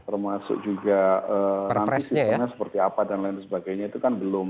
termasuk juga nanti sistemnya seperti apa dan lain sebagainya itu kan belum